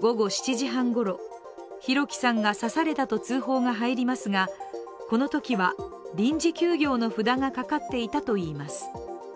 午後７時半ごろ、弘輝さんが刺されたと通報が入りますがこのときは臨時休業の札がかかっていたといいます。